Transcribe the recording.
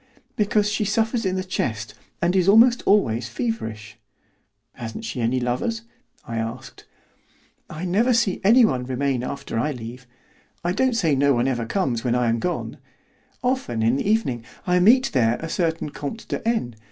"Because she suffers in the chest, and is almost always feverish." "Hasn't she any lovers?" I asked. "I never see anyone remain after I leave; I don't say no one ever comes when I am gone. Often in the evening I meet there a certain Comte de N.